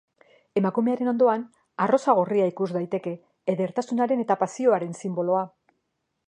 Emakumearen ondoan arrosa gorria ikus daiteke, edertasunaren eta pasioaren sinboloa.